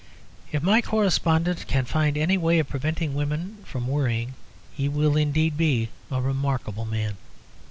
If my correspondent can find any way of preventing women from worrying, he will indeed be a remarkable man.